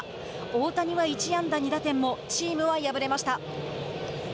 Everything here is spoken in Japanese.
大谷は１安打２打点もチームは敗れました。